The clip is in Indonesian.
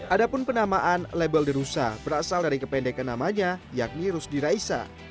ada pun penamaan label derusa berasal dari kependekan namanya yakni rusdi raisa